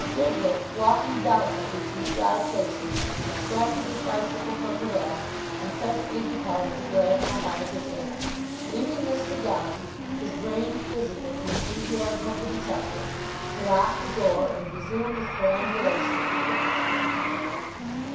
Riglett, walking delicately through dry places, extracted his bicycle from the rack, and presently departed to gladden the heart of his aunt, leaving Mr. Downing, his brain fizzing with the enthusiasm of the detective, to lock the door and resume his perambulation of the cricket field.